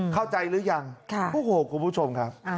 เข้าใจหรือยังโอ้โหคุณผู้ชมครับ